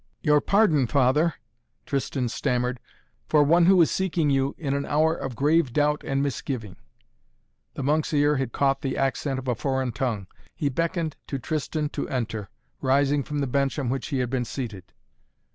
"Your pardon, father," Tristan stammered, "for one who is seeking you in an hour of grave doubt and misgiving." The monk's ear had caught the accent of a foreign tongue. He beckoned to Tristan to enter, rising from the bench on which he had been seated.